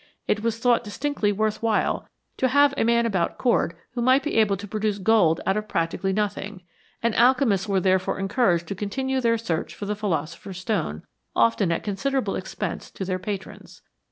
It was thought distinctly worth while to have a man about court who might be able to produce gold out of practically nothing, and alche mists were therefore encouraged to continue their search for the philosopher's stone, often at considerable expense to their patrons.